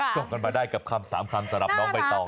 ส่งกันมาได้กับคำ๓คำสำหรับน้องใบตอง